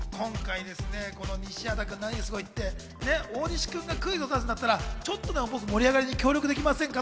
今回ですね、この西畑君、何がすごいって、大西君がクイズを出すんだったら、ちょっとでも盛り上がりに協力できませんか？